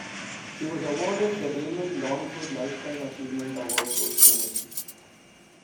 He was awarded the Raymond Longford lifetime achievement award posthumously.